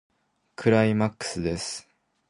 クライマックスです。